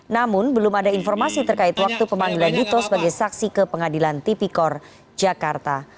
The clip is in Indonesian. namun belum ada informasi terkait waktu pemanggilan dito sebagai saksi ke pengadilan tipikor jakarta